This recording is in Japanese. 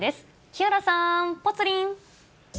木原さん、ぽつリン。